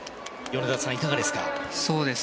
米田さん、いかがですか？